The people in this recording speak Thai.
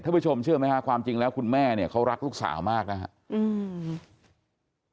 ผู้ชมเชื่อไหมฮะความจริงแล้วคุณแม่เนี่ยเขารักลูกสาวมากนะครับ